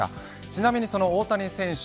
ちなみに大谷選手